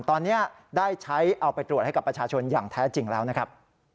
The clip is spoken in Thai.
ตอนนี้ได้ใช้เอาไปตรวจให้กับประชาชนอย่างแท้จริงแล้วนะครับ